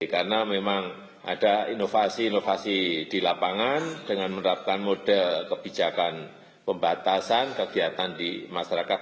karena memang ada inovasi inovasi di lapangan dengan menerapkan model kebijakan pembatasan kegiatan di masyarakat